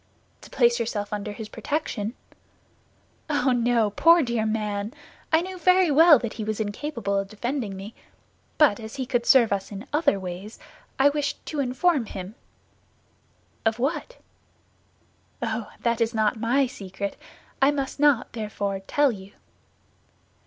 "To place yourself under his protection?" "Oh, no, poor dear man! I knew very well that he was incapable of defending me; but as he could serve us in other ways, I wished to inform him." "Of what?" "Oh, that is not my secret; I must not, therefore, tell you."